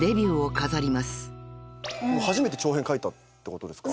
初めて長編書いたってことですか？